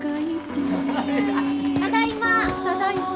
ただいま。